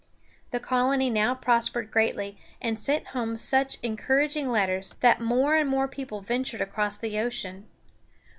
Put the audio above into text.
The colony now prospered greatly, and sent home such encouraging letters that more and more people ventured across the ocean.